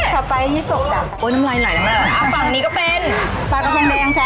ขับไปยี่ศุกร์จ้ะโอ้ยน้ำลายหน่อยน้ำลายหน่อยอ่ะฝั่งนี้ก็เป็นปลากระทงแดงจ้ะ